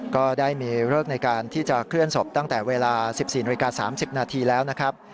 ก็ได้มีเลิกในการที่จะเคลื่อนศพตั้งแต่เวลา๑๔นาฬิกา๓๐นาทีแล้วนะครับ